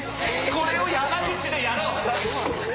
これを山口でやろう！